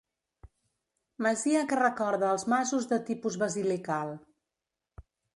Masia que recorda als masos de tipus basilical.